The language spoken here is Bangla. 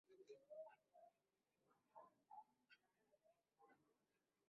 এখন এটা আমার কাছে রয়েছে।